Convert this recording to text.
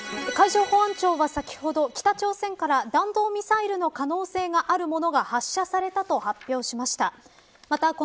海上保安庁が先ほど北朝鮮から弾道ミサイルの可能性があるものが発射されたと発表しました。